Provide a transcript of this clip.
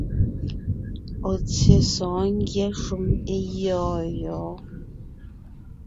Ɔ̀ tsyé sɔ̌ɔn ngyɛ́ shúm é gyɔ̂ɔn gyɔ̌ɔn.